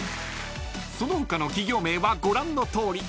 ［その他の企業名はご覧のとおり］